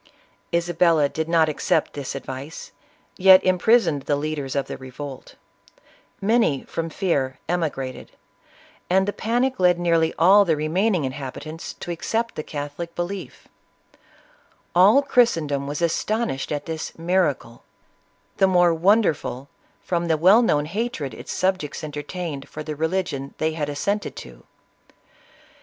Isabella did not accept this advice, yet imprisoned the leaders of the revolt Many, from fear, emigrated, and the panic led nearly all the 132 ISABELLA OF CASTILE. remaining inhabitants to accept the Catholic belie£ All Christendom was astonished at this " miracle" — the more wonderful from the well known hatred its subjects entertained for the religion they had assented to.